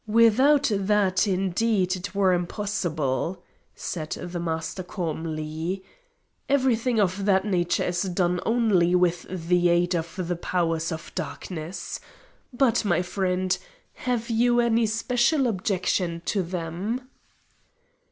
"Without that, indeed, it were impossible," said the Master calmly. "Everything of that nature is done only with the aid of the powers of Darkness. But, my friend, have you any special objection to them?"